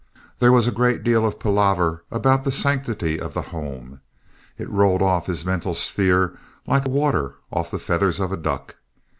There was a great deal of palaver about the sanctity of the home. It rolled off his mental sphere like water off the feathers of a duck.